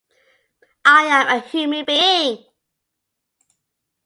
I am a human being!